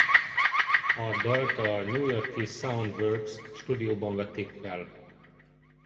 A dalt a New York-i Sound Works Stúdióban vették fel.